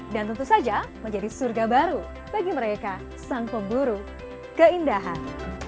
dan tentu saja menjadi surga baru bagi mereka sang pemburu keindahan